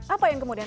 apa yang kemudian